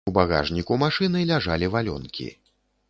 У багажніку машыны ляжалі валёнкі.